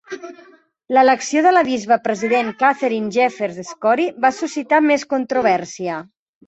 L'elecció de la bisbe president Katharine Jefferts Schori va suscitar més controvèrsia.